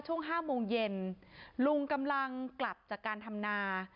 ช่วง๕โมงเย็นลุงกำลังกลับจากการทำนา